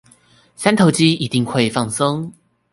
三頭肌一定會放鬆